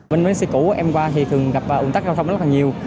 bên bến xe cũ của em qua thì thường gặp ủng tắc giao thông rất là nhiều